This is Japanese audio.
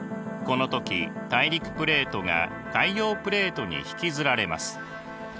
この時大陸プレートが海洋プレートに引きずられます。